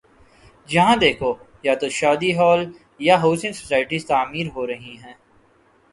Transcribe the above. جہاں دیکھو یا تو شادی ہال یا ہاؤسنگ سوسائٹیاں تعمیر ہو رہی ہیں۔